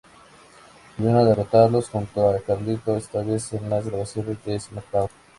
Volvieron a derrotarlos junto a Carlito, esta vez en las grabaciones de "SmackDown!